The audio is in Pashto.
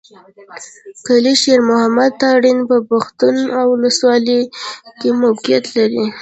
کلي شېر محمد تارڼ په پښتون اولسوالۍ کښې موقعيت لري.